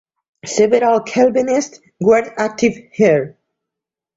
Several Calvinists were active here.